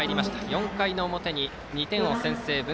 ４回の表に２点を先制文